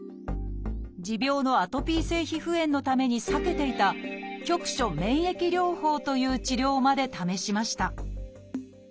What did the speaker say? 持病のアトピー性皮膚炎のために避けていた「局所免疫療法」という治療まで試しました